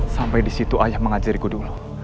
sampai di situ ayah mengajariku dulu